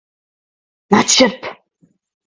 Nāc šurp.